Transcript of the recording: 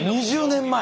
２０年前！